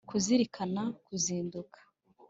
ruzirikana kuzinduka